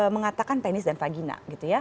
mengatakan penis dan vagina